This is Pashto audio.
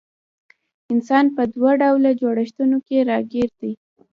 انسان په دوه ډوله جوړښتونو کي راګېر دی